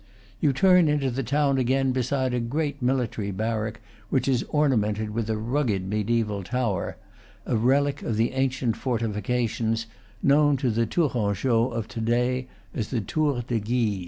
You turn into the town again beside a great military barrack which is ornamented with a rugged mediaeval tower, a relic of the ancient fortifications, known to the Tourangeaux of to day as the Tour de Guise.